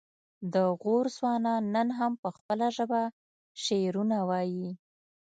د غور ځوانان نن هم په خپله ژبه شعرونه وايي